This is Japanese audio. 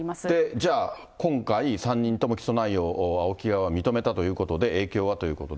じゃあ今回、３人とも、起訴内容、ＡＯＫＩ側が認めたということで、影響はということで。